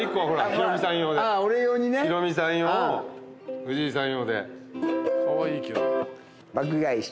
ヒロミさん用藤井さん用。